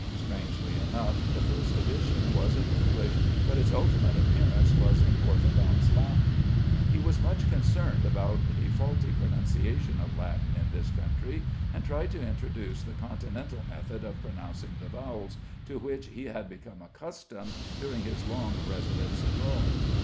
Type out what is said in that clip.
Strangely enough, the first edition was in English, but its ultimate appearance was in orthodox Latin. He was much concerned about the faulty pronunciation of Latin in this country, and tried to introduce the continental method of pronouncing the vowels, to which he had become accustomed during his long residence abroad.